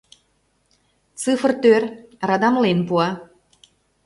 Цифр тӧр, радамлен пуа.